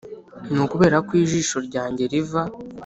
ni ukubera ko ijisho ryanjye riva